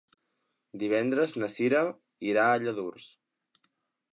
Divendres na Sira irà a Lladurs.